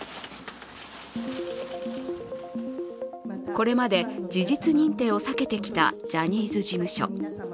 これまで事実認定を避けてきたジャニーズ事務所。